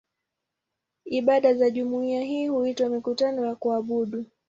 Ibada za jumuiya hii huitwa "mikutano ya kuabudu".